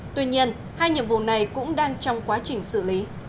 tuy nhiên hai nhiệm vụ này cũng đang trong quá trình xử lý